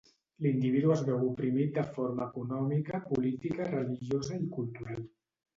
L'individu es veu oprimit de forma econòmica, política, religiosa, i cultural.